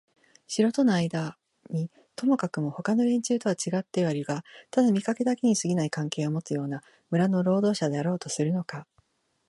城とのあいだにともかくもほかの連中とはちがってはいるがただ見かけだけにすぎない関係をもつような村の労働者であろうとするのか、